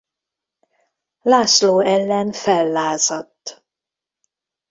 László ellen fellázadt.